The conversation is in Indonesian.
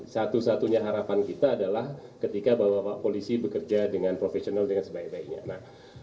satu satunya harapan kita adalah ketika bapak polisi bekerja dengan profesional dengan sebaik baiknya